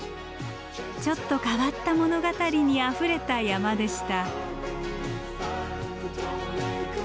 ちょっと変わった物語にあふれた山でした。